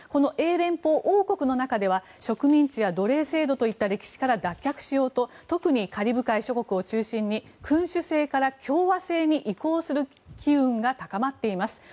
英連邦王国の中では植民地や奴隷制度といった歴史から脱却しようと特にカリブ海諸国を中心に君主制から共和制に移行する機運が高まっています。